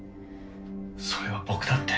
それは僕だって。